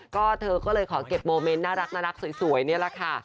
ก็เธอก็เลยขอเก็บโมเมนต์น่ารักสวยนี่แหละค่ะ